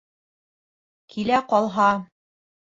Килә ҡалһа...